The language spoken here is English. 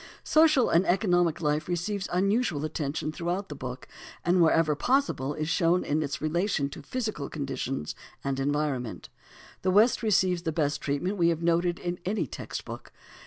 Social and economic life receives unusual attention throughout the book, and wherever possible is shown in its relation to physical conditions and environment. The West receives the best treatment we have noted in any text book.